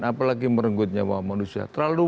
apalagi merenggut nyawa manusia terlalu